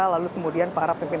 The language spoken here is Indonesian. lalu kemudian para pimpinan